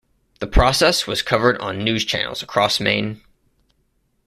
The process was covered on news channels across Maine.